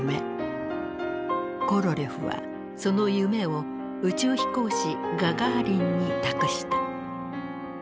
コロリョフはその夢を宇宙飛行士ガガーリンに託した。